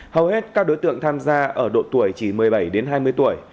hầu hết các đối tượng tham gia ở độ tuổi chỉ một mươi bảy đến hai mươi tuổi